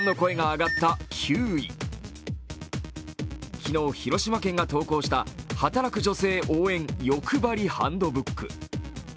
昨日、広島県が投稿した「働く女性応援よくばりハンドブック」。